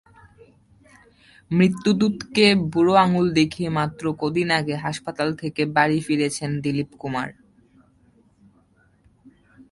মৃত্যুদূতকে বুড়ো আঙুল দেখিয়ে মাত্র কদিন আগে হাসপাতাল থেকে বাড়ি ফিরেছেন দীলিপ কুমার।